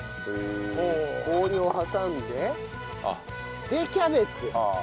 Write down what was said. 氷を挟んででキャベツ。